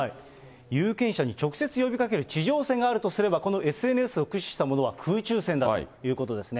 有権者に直接呼びかける地上戦があるとすれば、このＳＮＳを駆使したものは空中戦だということですね。